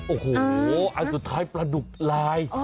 โอ้โหอันสุดท้ายปลาดุกลาย